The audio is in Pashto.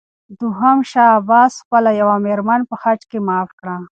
دوهم شاه عباس خپله یوه مېرمن په حج کې معاف کړه.